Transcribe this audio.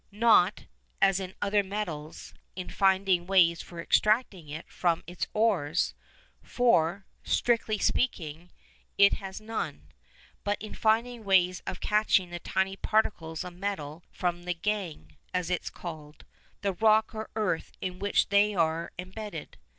Not, as in other metals, in finding ways for extracting it from its ores, for, strictly speaking, it has none, but in finding ways of catching the tiny particles of metal from the "gangue," as it is called, the rock or earth in which they are embedded.